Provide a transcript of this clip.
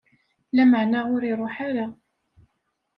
Lameɛna ur iṛuḥ ara.